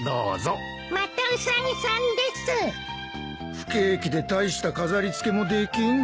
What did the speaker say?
不景気で大した飾り付けもできん。